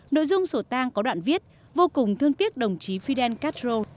nội dung sổ tang có đoạn viết vô cùng thương tiếc đồng chí fidel castro